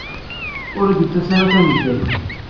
Ur d-yettas ara tanezzayt.